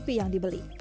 fasilitas yang dibeli